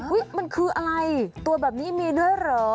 มันคืออะไรตัวแบบนี้มีด้วยเหรอ